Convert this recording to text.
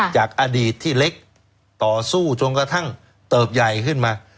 จากอดีตที่เล็กต่อสู้จนกระทั่งเติบใหญ่ขึ้นมา